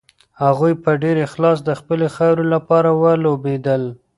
هغوی په ډېر اخلاص د خپلې خاورې لپاره ولوبېدل.